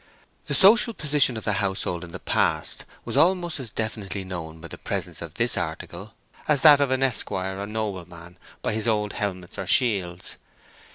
The social position of the household in the past was almost as definitively shown by the presence of this article as that of an esquire or nobleman by his old helmets or shields.